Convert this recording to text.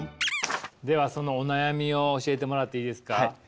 ではそのお悩みを教えてもらっていいですか？